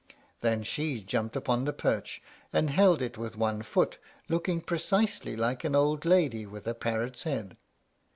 Then she jumped upon the perch, and held it with one foot, looking precisely like an old lady with a parrot's head.